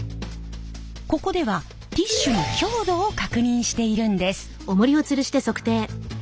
ここではティッシュの強度を確認しているんです。